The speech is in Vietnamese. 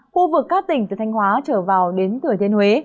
khu vực các tỉnh từ thanh hóa trở vào đến thừa thiên huế